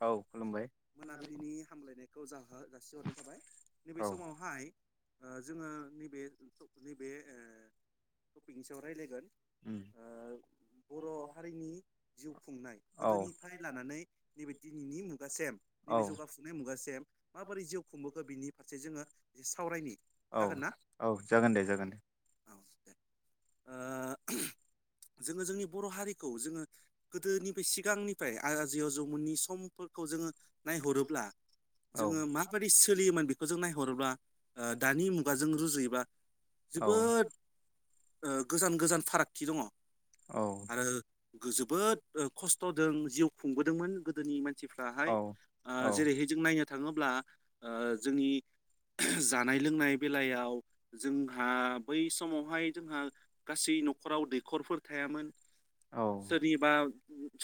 औ। खुलुमबाय मोनाबिलिनि हामलायनायखौ जाहो-जासिहरनाय थाबाय नैबे औ समावहाय ओ जोङो नैबे नैबे ओ टपिकनि सायाव रायलायगोन उम ओ बर हारिनि जिउ खुंनाय औ गोदोनिफ्राय लानानै नैबे दिनैनि मुगासेम औ नैबे जौगाफुनाय मुगासेम माबोरै जिउ खुंबोखो नि फारसे जोङो एसे सावरायनि औ जागोन ना औ जागोन दे जागोन दे। औ दे ओ जोङो जोंनि बर हारिखौ जोङो गोदोनिफ्राय सिगांनिफ्राय आजै आजौमोननि समफोरखौ जोङो नायहरोब्ला औ जोङो माबादि सोलियोमोन खो जों नायहरोब्ला ओ दानि मुगाजों रुजुयोबा औ बोहोद ओ गोजान गोजान फारागथि दङ। औ आरो गो-जोबोद खस्थजों जिउ खुंबो दोंमोन गोदोनि मोन सिफ्राहाय औ औ जेरैहाय आ जों नायनो थाङोब्ला ओ जोंनि जानाय लोंनाय बेलायाव जोंहा बै समावहाय जोंहा गासै नखराव दैखरफोर थायामोन। औ सोरनिबा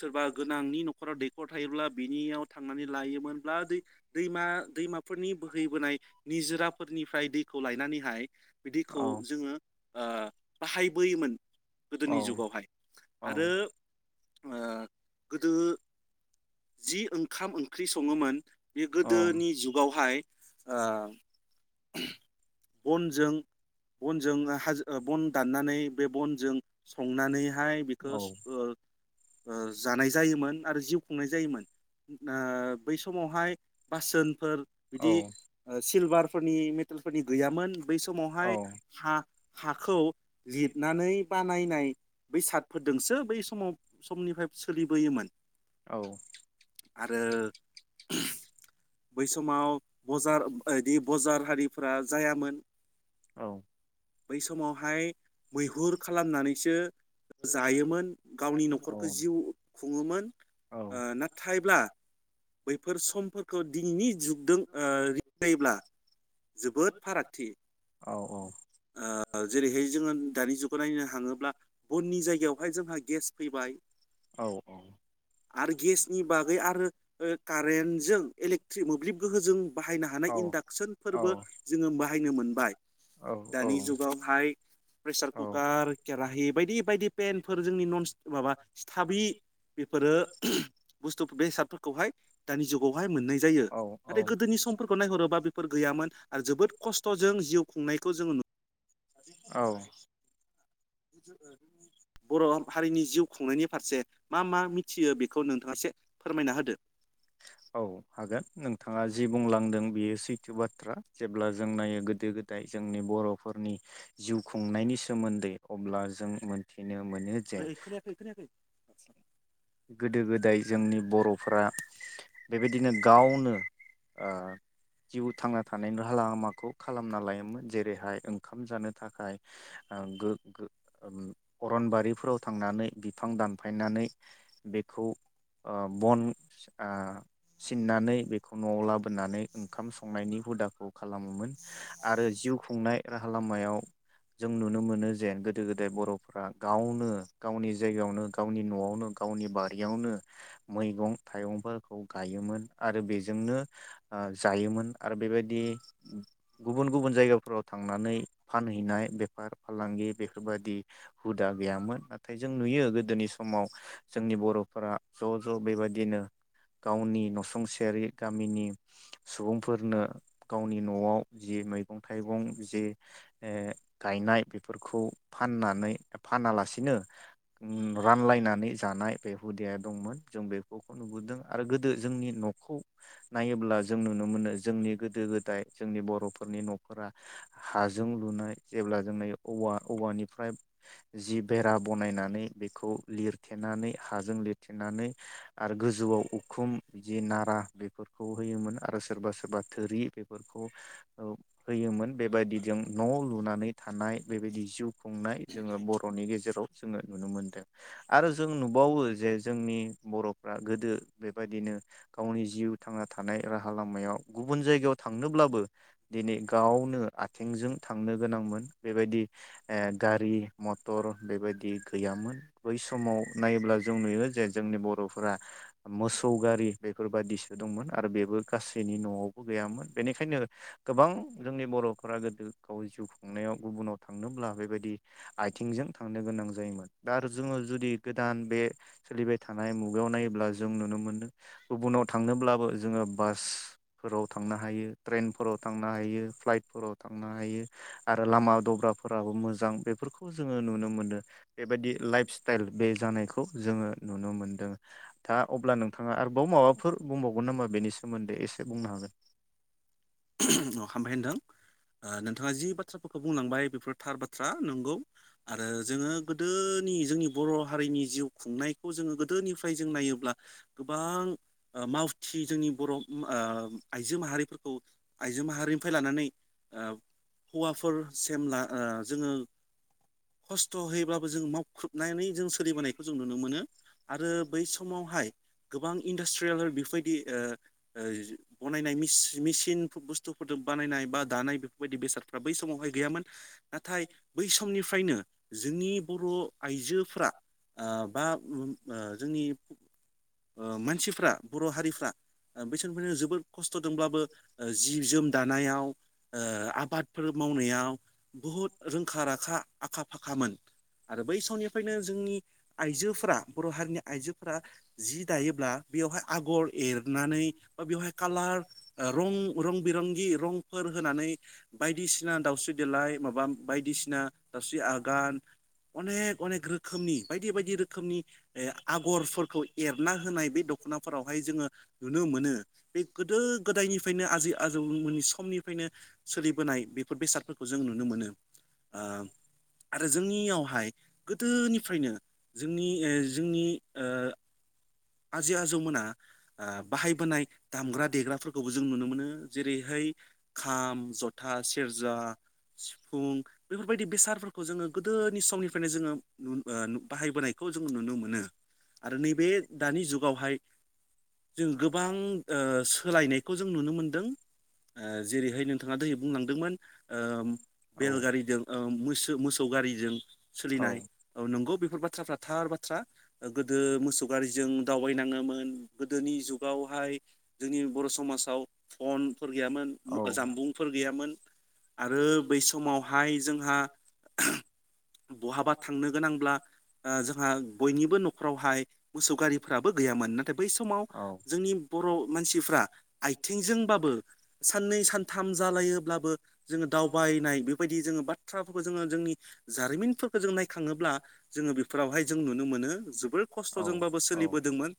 सोरबा गोनांनि नखराव दैखर थायोब्ला बिनियाव थांनानै लायोमोनब्ला दै दैमा दैमाफोरनि बोहैबोनाय निजोराफोरनिफ्राय दैखौ लायनानैहाय बि दैखौ [unintelligible] ओ बाहायबोयोमोन औ गोदोनि जुगावहाय औ आरो ओ गोदो जि ओंखाम ओं ख्रि सङोमोन बे औ गोदोनि जुगावहाय ओ [unintelligible] बनजों बनजों हाजो ओ बन दाननानै बे बनजों संनानैहाय बिखो स ओ ओ जानाय जायोमोन आरो जिउ खुंनाय जायोमोन। ना बै समावहाय बासोनफोर बिदि औ ओ सिलभारफोरनि मेटेलफोरनि गैयामोन बै समावहाय औ औ औ हा हाखौ लिदनानै बानायनाय बै साटफोरदोंसो बै समाव समनिफाय सोलिबोयोमोन। आरो बै समाव बजार इदि बजार हारिफोरा जायामोन बै समावहाय मैहुर खालामनानैसो जायोमोन गावनि नखरखौ जिउ खुङोमोन। ना थायब्ला बैफोर समफोरखौ दिनैनि जुगदों ओ [unintelligible] जोबोद फारागथि ओ जेरैहाय जोङो दानि जुगाव नायनो हाङोब्ला बननि जायगायावहाय जोंहा गेस फैबाय। आरो गेसनि बागै आरो ओ कारेनजों इलेक्ट्रिक मोब्लिब गोहोजों बाहायनो हानाय इनदागसोनफोरबो जोङो बाहायनो मोनबाय दानि जुगावहाय प्रेसार कुकार केराहि बायदि बायदि पेनफोर जोंनि नन्स माबा स्थाबि बेफोरो बुस्तु बेसादफोरखौहाय दानि जुगावहाय मोननाय जायो नाथाय गोदोनि समफोरखौ नायहरोबा बेफोर गैयामोन आरो जोबोद कस्तजों जिउ खुंनायखौ जोङो नु औ। [inaudible] बर हारिनि जिउ खुंनायनि फारसे मा मा मिथियो बेखौ नोंथाङा से फोरमायना होदो। औ हागोन नोंथाङा जि बुंलांदों बियो सैथो बाथ्रा जेब्ला जों नायो गोदो गोदाय जोंनि बरफोरनि जिउ खुंनायनि सोमोन्दै अब्ला जों मोनथिनो मोनो जे ओइ खोनायाखै खोनायाखै गोदो गोदाय जोंनि बरफोरा बेबायदिनो गावनो ओ जिउ थांना थानायनि राहा लामाखौ खालामना लायोमोन जेरैहाय ओंखाम जानो थाखाय ओ गो [unintelligible] अरनबारिफोराव थांनानै बिफां दानफायनानै बेखौ ओ ओ सिननानै बेखौ नआव लाबोनानै ओंखाम संनायनि हुदाखौ खालामोमोन आरो जिउ खुंनाय राहा लामायाव जों नुनो मोनो ज जेन गोदो गोदाय बरफोरा गावनो गावनि जायगायावनो गावनि नआवनो गावनि बारियावनो मैगं थाइगंफोरखौ गायोमोन आरो बेजोंनो ओ जायोमोन आरो बेबायदि गुबुन गुबुन जायगाफोराव थांनानै फानहैनाय बेफार फालांगि बेफोरबादि हुदा गैयामोन नाथाय जों नुयो गोदोनि समाव जोंनि बरफोरा ज ज बेबादिनो गावनि नसुंसेयारि गामिनि सुबुंफोरनो गावनि नआव जि मैगं थाइगं जे गायनाय बेफोरखौ फाननानै फानालासिनो रानलायनानै जानाय बे हुदाया दंमोन जों [unintelligible] नुबोदों आरो गोदो जोंनि नखौ नायोब्ला जों नुनो मोनो जोंनि गोदो गोदाय जोंनि बरफोरनि नफोरा हाजों लुनाय जेब्ला [unintelligible] औवा औवानिफ्राय जि बेरा बनायनानै बेखौ लिरथेनानै हाजों लिरथेनानै आरो गोजौआव उखुम जि नारा बेफोरखौ होयोमोन आरो सोरबा सोरबा थोरि बेफोरखौ ओ होयोमोन बेबायदिजों न लुनानै थानाय बेबायदि जिउ खुंनाय जोङो बरनि गेजेर जेराव जोङो नुनो मोनदों आरो जों नुबावो जे जोंनि बरफ्रा गोदो बेबायदिनो गावनि जिउ थांना थानाय राहा लामायाव गुबुन जायगायाव थांनोब्लाबो दिनै गावनो आथिंजों थांनो गोनांमोन बेबायदि ओ गारि मटर बेबायदि गैयामोन बै समाव नायोब्ला जों नुयो जे जोंनि बरफोरा मोसौ गारि बेफोर बायदिसो दंमोन आरो बेबो गासैनि नआवबो गैयामोन बेनिखायनो गोबां जोंनि बरफोरा गोदो गाव जिउ खुंनायाव गुबुनाव थांनोब्ला बेबायदि आथिंजों थांनो गोनां जायोमोन दा आरो जोङो जुदि गोदान बे सोलिबाय थानाय मुगायाव नायोब्ला जों नुनो मोन्दों गुबुनाव थांनोब्लाबो जोङो बासफोराव थांनो हायो ट्रेनफोराव थांनो हायो फ्लाइटफोराव थांनो हायो आरो लामा दब्रा फोराबो मोजां बेफोरखौ जोङो नुनो मोन्दों बेबायदि लाइफ स्टाइल बे जानायखौ जोङो नुनो मोनदों, दा अब्ला नोंथाङा आरोबाव माबाफोर बुंबावगोन नामा बेनि सोमोन्दै एसे बुंनो हागोन। हामबाय होनदों नोंथाङा जि बाथ्राफोरखौ बुंलांबाय बेफोर थार बाथ्रा नंगौ आरो जोङो गोदोनि जोंनि बर हारिनि जिउ खुंनायखौ जोङो गोदोनिफ्राय जों नायोब्ला गोबां ओ मावथि जोंनि बर ओ आइजो माहारिफोरखौ आइजो माहारिनिफ्राय लानानै ओ हौवाफोर सेम ला जोङो खस्थ होयोब्लाबो जों मावख्रुबनानै जों सोलिबोनायखौ जों नुनो मोनो आरो बै समावहाय गोबां इन्डास्ट्रियेल बेफोरबायदि ओ ओ बनायनाय मेसि-मेसिन बुस्थुफोरदों बानायनाय बा दानाय बेफोरबायदि बेसादफ्रा बै समावहाय गैयामोन नाथाय बै समनिफ्रायनो जोंनि बर आइजोफ्रा ओ बा उम ओ जोंनि ओ मानसिफ्रा बर हारिफ्रा ओ बैसोरफोर जोबोद खस्थ दोंब्लाबो ओ जि जोम दानायाव ओ आबादफोर मावनायाव बहुद रोंखा राखा आखा फाखामोन आरो बै समनिफ्रायनो जोंनि आइजोफोरा बरहारिनि आइजोफोरा जि दायोब्ला बेयावहाय आगर एरनानै बा बेवहाय खाला र ओ रं रं बिरंगि रंफोर होनानै बायदिसिना दाउस्रि देलाय माबा बायदिसिना दाउस्रि आगान अनेक अनेक रोखोमनि बायदि बायदि रोखोमनि ए आगरफोरखौ एरना होनाय बे दखनाफोरावहाय जोङो नुनो मोनो बे गोद गोदो गोदायनिफ्रायन आजै आजौमोननि समनिफ्रायनो सोलिबोनाय बेफोर बेसादफोरखौ जों नुनो मोनो ओ आरो जोंनियावहाय गोदोनिफ्रायनो जोंनि ओ जोंनि ओ आजै आजौमोना ओ बाहायबोनाय दामग्रा देग्राफोरखौबो जों नुनो मोनो जेरैहाय खाम जथा सेरजा सिफुं बेफोरबायदि बेसादफोरखौ जोङो गोदोनि समनिफ्रायनो जोङो नु ओ बाहायबोनायखौ जोंङो नुनो मोनो। आरो नैबे दानि जुगावहाय जों गोबां ओ सोलायनायखौ जों नुनो मोनदों ओ जेरैहाय नोंथाङा दहाय बुंलांदोंमोन ओ बेलगारिदों ओ मोस मोसौ गारिजों औ सोलिनाय औ नंगौ बे बेफोर बाथ्राफ्रा थार बाथ्रा। गोदो मोसौ गारिजों दावबायनाङोमोन गोदोनि जुगावहाय जोंनि बर समाजाव फनफोर गैयामोन ओ जामबुंफोर गैयामोन आरो बै समावहाय जोंहा बहाबा ओहोम थांनो गोनांब्ला ओ जोंहा बयनिबो नखरावहाय मोसौ गारिफोराबो गैयामोन नाथाय बै समाव औ जोंनि बर मानसिफ्रा आथिंजोंबाबो साननै सानथाम जालायोब्लाबो जोङो दावबायनाय बेबायदि जोङो बाथ्राफोरखौ जोङो जोंनि जारिमिनफोरखौ जों नायखाङोब्ला जोङो बेफोरावहाय जों नुनो मोनो जोबोर खस औ थजोंबाबो औ सोलिबोदोंमोन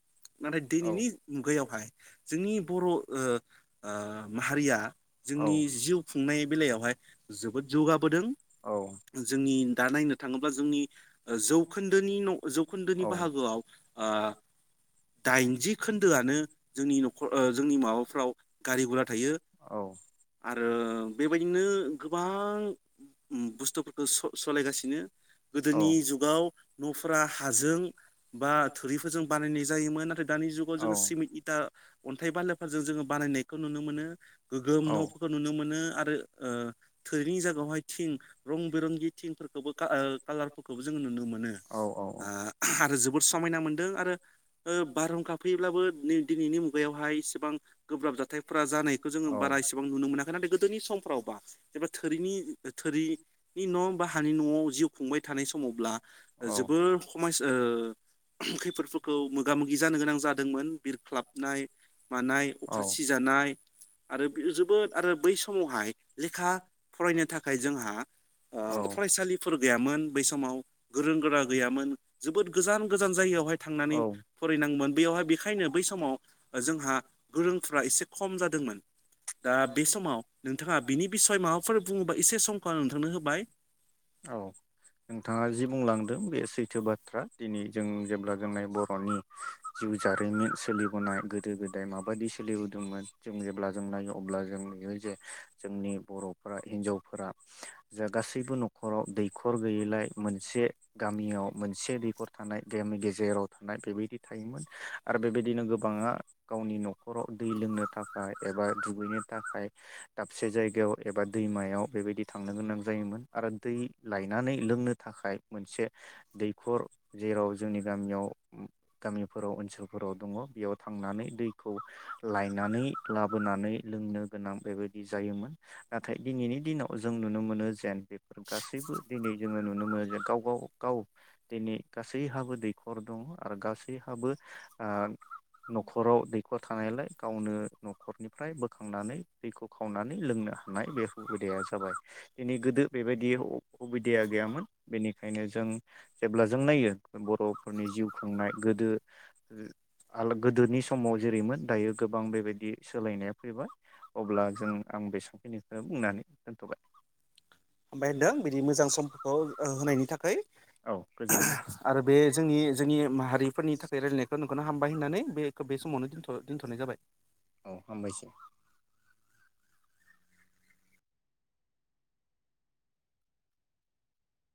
नाथाय दिनैनि मुगायावहाय जोंनि बर ओ-ओ माहारिया औ जोंनि जिउ खुंनाय बेलायावहाय जोब औ जौगाबोदों जोंनि दा नायनो थाङोब्ला जोंनि जौखोन्दोनि न जौखोन्दोनि औ बाहागोआव। ओ दाइनजि खोन्दोआनो जोंनि नखर ओ जोंनि माबाफ्राव गारि गरा थायो औ आरो बेबायदिनो गोबां गोबां बुस्थुफोरखौ स सलायगासिनो औ गोदोनि जुगाव नफोरा हाजों बा थुरिफोरजों बानायनाय जायोमोन नाथाय दानि जुगाव जोङो सिमिट इथा अन्थाइ बालाफोरजों जोङो बानायनायखौ नुनो मोनो। गोगोम नफोरखौ नुनो मोनो। आरो ओ थोरिनि जायगायावहाय थिं रं बिरंगि थिंफोरखौबो ओ खालारफोरखौबो जोंङो नुनो मोनो औ आ आरो जोब समायना मोनदों आरो ओ बारहुंखा फैयोब्लाबो नै दिनैनि मुगायावहाय एसेबां गोब्राब जाथायफोरा जानायखौ जोङो बारा एसेबां नुनो मोनाखै नाथाय गोदोनि समफ्रावबा एबा थोरिनि थोरिनि न बा हानि नआव जिउ खुंबाय थानाय समावब्ला जोबोर खमयसा ओ खैफोदफोरखौ मोगा जानो गोनां जादोंमोन बिरख्लाबनाय मानाय अखा सिजानाय आरो जोबोद आरो बै समावहाय लेखा फरायनो थाखाय जोंहा ओ फरायसालिफोर गैयामोन बै समाव गोरों गोरा गैयामोन जोबोद गोजान। जों जायगायावहाय औ थांनानै बेयावहाय बेखायनो बै समाव जोंहा गोरोंफ्रा एसे खम जादोंमोन दा बे समाव नोंथाङा बिनि बिसय माबाफोर बुङोबा एसे समखौ आं नोंथांनो होबाय। औ नोंथाङा जि बुंलांदों बे सैथो बाथ्रा दिनै जों जेब्ला जोंनाय बर'नि जिउ जारिमिन सोलिबोनाय गोदो गोदाय माबायदि सोलिबोदोंमोन जों जेब्ला जों नायो अब्ला जों नुयो जे जोंनि बरफ्रा हिनजावफोरा जा गासैबो नखराव दैखर गैयैलाय मोनसे गामियाव मोनसे दैखर थानाय गामि गेजेराव थानाय बेबायदि। थायोमोन आरो बेबायदिनो गोबाङा गावनि नखराव दै लोंनो थाखाय एबा दुगैनो थाखाय दाबसे जायगायाव एबा दैमायाव बेबायदि थांनो गोनां जायोमोन आरो दै लायनानै लोंनो थाखाय मोनसे दैखर जेराव जोंनि गामियाव गामिफोराव ओनसोलफोराव दङ बेयाव थांनानै दैखौ लायनानै लाबोनानै लोंनो गोनां बेबायदि जायोमोन नाथाय दिनैनि दिनाव जों नुनो मोनो जेन बेफोर गासैबो दिनै जोङो नुनो मोनो जे गाव-गाव-गाव दिनै गासैहाबो दैखर दङ। आरो गासैहाबो आ नखराव दैखर थानायलाय गावनो नखरनिफ्राय बोखांनानै दैखौ खावनानै लोंनो हानाय बे हुबिदाया जाबाय। गोदो बेबायदि हुबिदाया गैयामोन बेनिखायनो जों जेब्ला जों नायो बर'फोरनि जिउ खुंनाय गोदो-गोदोनि समाव जेरैमोन दायो गोबां बेबायदि सोलायनाया फैबाय अब्ला जों आं बेसांखिनिखौ बुंनायखौ दोनथ'बाय। हामबाय होनदों बिदि मोजां समफोरखौ होनायनि थाखै औ गोजोन्थों आरो बे जोंनि जोंनि माहारिफोरनि थाखै रायलानायखौ हाम बाय‌ होनानै बेखो बे समावनो दोनथ-दोनथनाय जाबाय। औ हामबायसै।